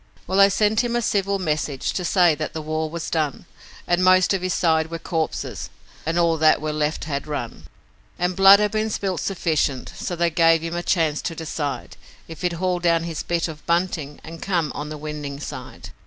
Well, they sent him a civil message to say that the war was done, And most of his side were corpses, and all that were left had run; And blood had been spilt sufficient, so they gave him a chance to decide If he'd haul down his bit of bunting and come on the winning side.